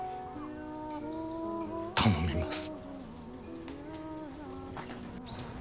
頼みます。